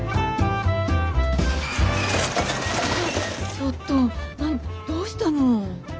ちょっとどうしたの？